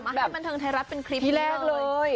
มาให้บันทึงไทยรัฐเป็นคลิปที่แรกเลย